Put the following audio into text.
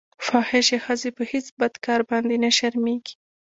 فاحشې ښځې په هېڅ بد کار باندې نه شرمېږي.